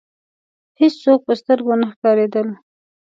هېڅوک په سترګو نه ښکاریدل.